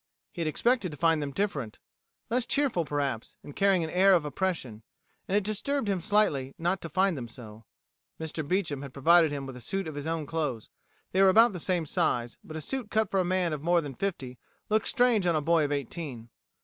He had expected to find them different; less cheerful, perhaps, and carrying an air of oppression. And it disturbed him slightly not to find them so. Mr. Beecham had provided him with a suit of his own clothes. They were about the same size, but a suit cut for a man of more than fifty looks strange on a boy of eighteen.